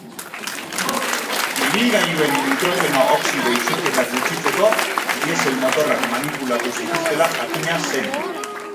Ibilgailuen nitrogeno oxido isurketak gutxitzeko diesel motorrak manipulatu zituztela jakina zen.